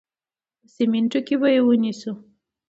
په سمینټو کې به یې ونیسو.